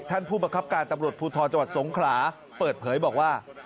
ท่านผู้ประครับการตำรวจพูทธรจสงขลาเปิดเผยบอกว่า